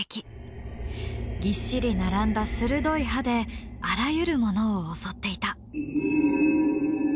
ぎっしり並んだ鋭い歯であらゆるものを襲っていた。